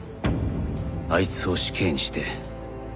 「あいつを死刑にして」。